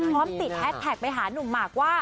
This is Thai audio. พร้อมติดแฮสแท็กไปหานุ่มหมากว่า